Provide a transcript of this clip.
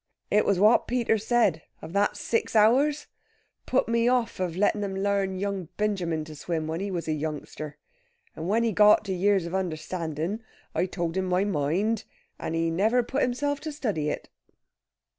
It was what Peter said of that six hours put me off of letting 'em larn yoong Benjamin to swim when he was a yoongster. And when he got to years of understanding I told him my mind, and he never put himself to study it."